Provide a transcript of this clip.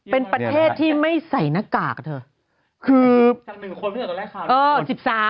เป็นประเทศที่ไม่ใส่นากากเถอะ